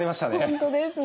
本当ですね。